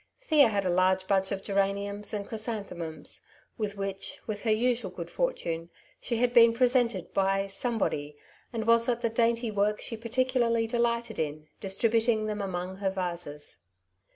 Thea had a large bunch of geraniums and chrysan themums, with which, with her usual good fortune, she had been presented by ^^ somebody,^^ and was at the dainty work she particularly delighted in, dis tributing them among her vases.